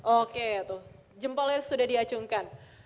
oke jempolnya sudah diacungkan